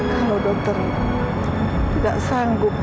kalau dokter tidak sanggup